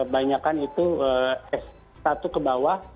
banyakan itu s satu ke bawah